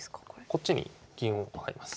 こっちに銀を上がります。